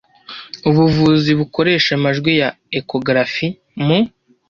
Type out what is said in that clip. Ubuvuzi bukoresha amajwi ya ekogarafi mu